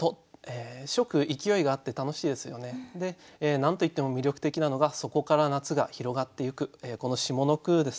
何といっても魅力的なのが「そこから夏が広がっていく」この下の句です。